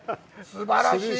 すばらしい！